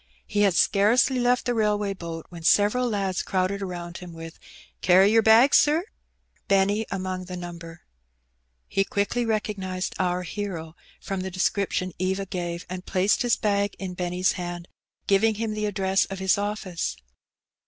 He had scarcely left the railway boat when several lads crowded around him with "Carry yer bag, sir?'* Benny among the number. He quickly recognized our hero from the description Eva gave, and placed his bag in Benny^s hand, giving him the address of his office.